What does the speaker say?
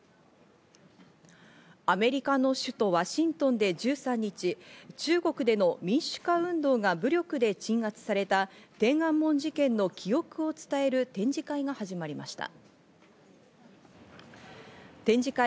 アメリカの首都ワシントンで１３日、中国での民主化運動が武力で鎮圧された天安門事件の記憶を伝える展示会が始まりました。